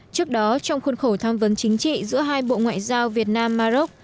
trước đó trong khuôn khổ tham vấn chính trị giữa hai bộ ngoại giao việt nam mà rốc